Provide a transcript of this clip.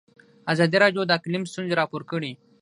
ازادي راډیو د اقلیم ستونزې راپور کړي.